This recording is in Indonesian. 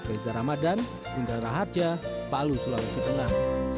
reza ramadan indra raharja palu sulawesi tengah